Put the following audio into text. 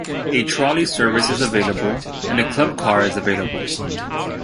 A trolley service is available, and a club car is available.